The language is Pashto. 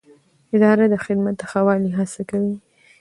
اداره د خدمت د ښه والي هڅه کوي.